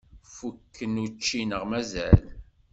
Fukken učči neɣ mazal?